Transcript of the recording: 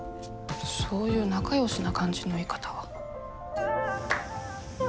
そういう仲よしな感じの言い方は。